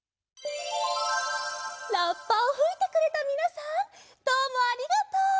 ラッパをふいてくれたみなさんどうもありがとう！